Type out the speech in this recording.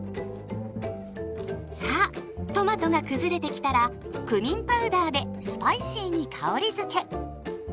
さあトマトが崩れてきたらクミンパウダーでスパイシーに香りづけ。